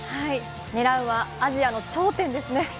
狙うはアジアの頂点ですね。